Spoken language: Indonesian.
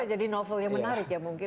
itu bisa jadi novel yang menarik ya mungkin